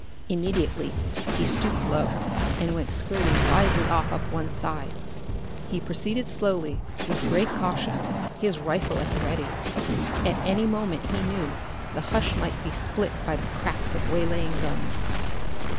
Immediately he stooped low, and went skirting widely off up one side. He proceeded slowly, with great caution, his rifle at the ready. At any moment, he knew, the hush might be split by the cracks of waylaying guns.